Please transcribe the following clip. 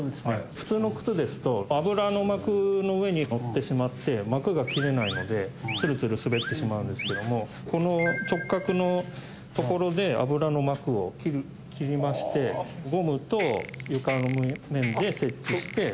普通の靴ですと油の膜の上に乗ってしまって膜が切れないのでツルツル滑ってしまうんですけどもこの直角のところで油の膜を切りましてゴムと床の面で接地して。